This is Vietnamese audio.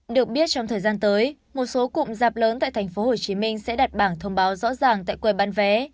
được biết trong thời gian tới một số cụm rạp lớn tại tp hcm sẽ đặt bảng thông báo rõ ràng tại quầy bán vé